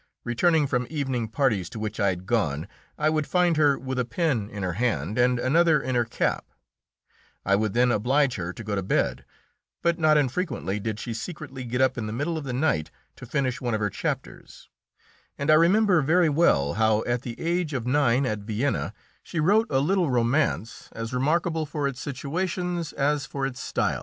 Returning from evening parties to which I had gone, I would find her with a pen in her hand and another in her cap; I would then oblige her to go to bed, but not infrequently did she secretly get up in the middle of the night to finish one of her chapters, and I remember very well how, at the age of nine, at Vienna, she wrote a little romance as remarkable for its situations as for its style.